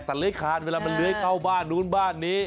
สัตว์เลี้ยงขาดเวลามันเลี้ยงเข้าบ้านนู้นบ้านนี้